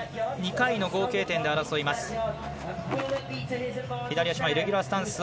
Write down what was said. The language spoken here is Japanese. ２回の合計点で争います。